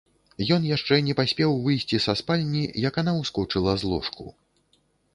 Ён яшчэ не паспеў выйсці са спальні, як яна ўскочыла з ложку.